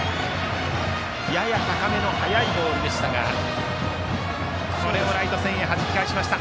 やや高めの速いボールでしたがこれもライト線へはじき返しました。